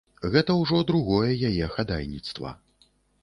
Гэта ўжо другое яе хадайніцтва.